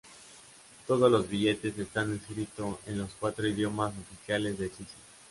Todos los billetes están escritos en los cuatro idiomas oficiales de Suiza.